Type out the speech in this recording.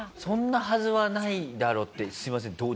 「そんなはずはないだろ」ってすいません